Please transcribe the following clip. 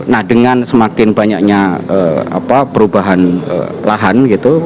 nah dengan semakin banyaknya perubahan lahan gitu